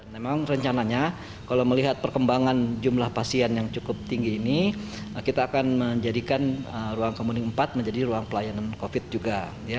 memang rencananya kalau melihat perkembangan jumlah pasien yang cukup tinggi ini kita akan menjadikan ruang kemuning empat menjadi ruang pelayanan covid juga